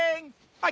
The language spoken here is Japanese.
はい！